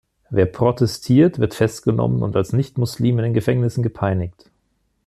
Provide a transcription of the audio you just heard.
Wer protestiert, wird festgenommen und als Nichtmuslim in den Gefängnissen gepeinigt.